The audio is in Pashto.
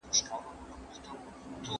که بخارۍ سمه کړو نو ګاز نه نیسي.